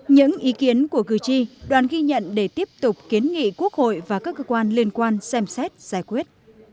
những ý kiến của cử tri đoàn ghi nhận để tiếp tục kiến nghị quốc hội và các cơ quan liên quan xem xét giải quyết